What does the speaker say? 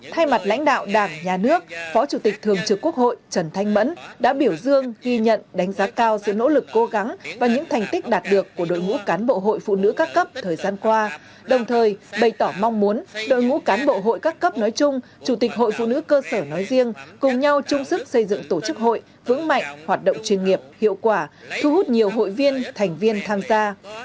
thay mặt lãnh đạo đảng nhà nước phó chủ tịch thường trực quốc hội trần thanh mẫn đã biểu dương ghi nhận đánh giá cao sự nỗ lực cố gắng và những thành tích đạt được của đội ngũ cán bộ hội phụ nữ các cấp thời gian qua đồng thời bày tỏ mong muốn đội ngũ cán bộ hội các cấp nói chung chủ tịch hội phụ nữ cơ sở nói riêng cùng nhau chung sức xây dựng tổ chức hội vững mạnh hoạt động chuyên nghiệp hiệu quả thu hút nhiều hội viên thành viên tham gia